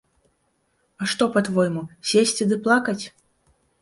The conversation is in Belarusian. А што па-твойму, сесці ды плакаць?